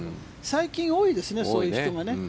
最近多いですねそういう人がね。